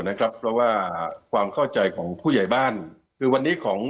นะครับเพราะว่าความเข้าใจของผู้ใหญ่บ้านคือวันนี้ของ